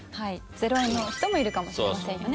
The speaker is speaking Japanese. ０円の人もいるかもしれませんよね。